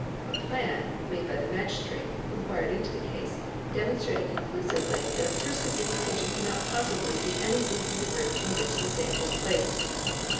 A plan, made by the Magistrate who inquired into the case, demonstrated conclusively that a person in the kitchen could not possibly see anything in the room in ~ which the safe was placed.